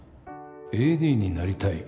「ＡＤになりたい」